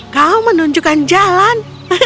kau menunjukkan jalan